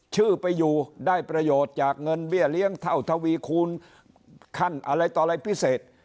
ชื่อไปอยู่ได้ประโยชน์จากเงินเบี้ยเลี้ยงเท่าทวีคูณขั้นอะไรต่ออะไรพิเศษ